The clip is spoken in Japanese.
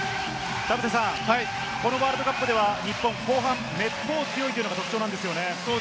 田臥さん、このワールドカップでは日本、後半めっぽう強いというのが特徴なんですよね。